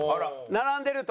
並んでると？